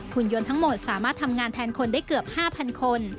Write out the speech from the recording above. คุณยนต์ทั้งหมดสามารถทำงานแทนคนได้เกือบ๕๐๐คน